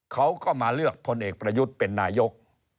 เขาก็มาเลือกพลเอกประยุทธ์เป็นนายก